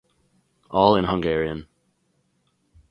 All in Hungarian.